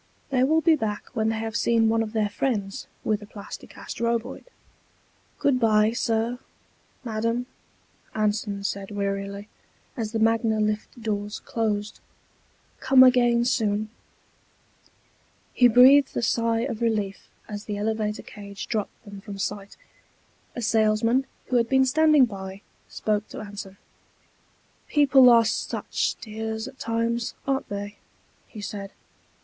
They will be back when they have seen one of their friends with a Plasti Cast Roboid._ "Good bye, Sir; Madam," Anson said wearily, as the Magna lift doors closed. "Come again soon." He breathed a sigh of relief as the elevator cage dropped them from sight. A salesman, who had been standing by, spoke to Anson. "People are such dears at times, aren't they?" he said.